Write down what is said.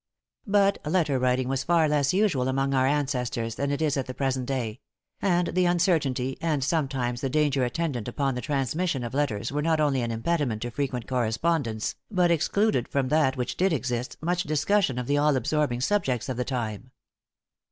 But letter writing was far less usual among our ancestors than it is at the present day; and the uncertainty, and sometimes the danger attendant upon the transmission of letters were not only an impediment to frequent correspondence, but excluded from that which did exist, much discussion of the all absorbing subjects of the time.